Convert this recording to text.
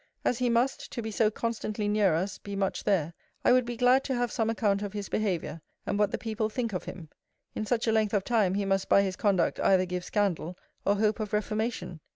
As he must, to be so constantly near us, be much there, I would be glad to have some account of his behaviour; and what the people think of him. In such a length of time, he must by his conduct either give scandal, or hope of reformation.